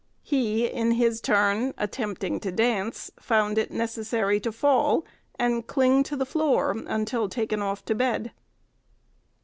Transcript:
He in his turn, attempting to dance, found it necessary to fall, and cling to the floor, until taken off to bed.